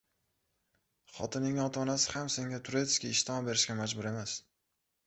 Xotiningni ota-onasi ham senga tureskiy ishton oberishga majbur emas.